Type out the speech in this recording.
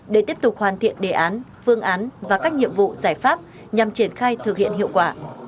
để tiếp tục hoàn thiện đề án phương án và các nhiệm vụ giải pháp nhằm triển khai thực hiện hiệu quả